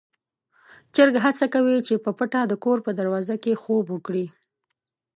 چرګ هڅه کوي چې په پټه د کور په دروازه کې خوب وکړي.